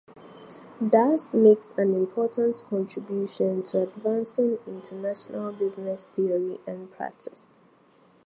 Thus makes an important contribution to advancing international business theory and practice.